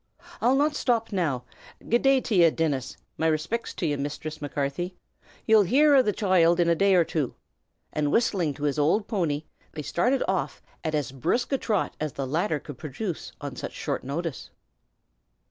"I'll not shtop now. Good day t' ye, Dinnis! My respicts to ye, Misthress Macarthy. Ye'll hear av the choild in a day or two!" And whistling to his old pony, they started off at as brisk a trot as the latter could produce on such short notice.